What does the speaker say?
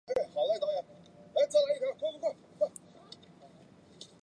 我叫帮手来